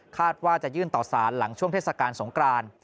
ว่าจะยื่นต่อสารหลังช่วงเทศกาลสงคราน